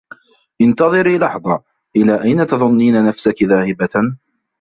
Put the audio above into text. انتظري لحظة، إلى أين تظنّين نفسكِ ذاهبةً؟